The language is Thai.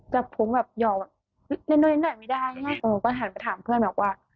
จับพุงแบบหย่อเล่นด้วยนิดหน่อยไม่ได้ไงอืมก็หันไปถามเพื่อนแบบว่า